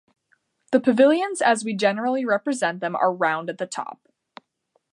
The pavilions as we generally represent them are round at the top.